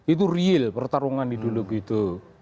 itu real pertarungan ideologi itu